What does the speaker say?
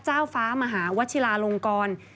เจ้าฟ้ามหาวัชิลาลงกร